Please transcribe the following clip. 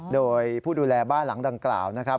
โดยผู้ดูแลบ้านหลังดังกล่าวนะครับ